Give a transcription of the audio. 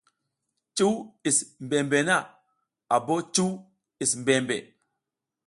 Cuw is mbembe na a bo cuw is mbembe.